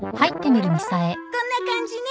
こんな感じね。